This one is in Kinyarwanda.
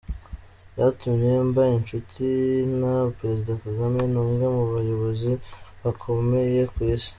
Byatumye mba inshuti na Perezida Kagame, ni umwe mu bayobozi bakomeye ku Isi.